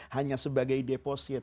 hanya sebagai deposit